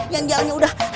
yang jalan udah